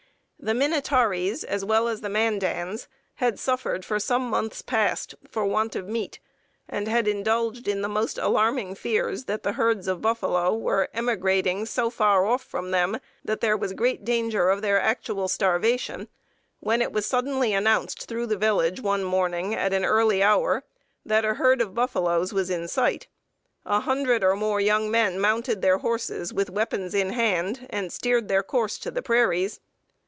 600, pt. 2 31] "The Minatarees, as well as the Mandans, had suffered for some months past for want of meat, and had indulged in the most alarming fears that the herds of buffalo were emigrating so far off from them that there was great danger of their actual starvation, when it was suddenly announced through the village one morning at an early hour that a herd of buffaloes was in sight. A hundred or more young men mounted their horses, with weapons in hand, and steered their course to the prairies.